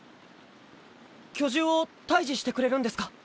巨獣を退治してくれるんですか？